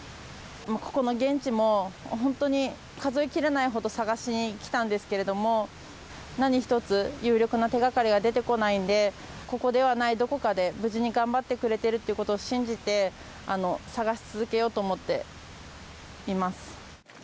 ここの現地も、本当に数え切れないほど捜しにきたんですけれども、何一つ有力な手がかりが出てこないので、ここではないどこかで、無事に頑張ってくれているということを信じて、捜し続けようと思っています。